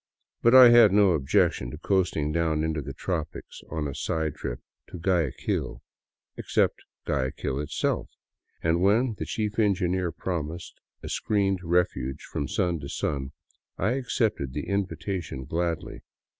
But I had no objection to coasting down into the tropics on a side trip to Guayaquil — except Guayaquil itself; and when the chief engineer promised a screened refuge from sun to sun, I accepted the invitation gladly.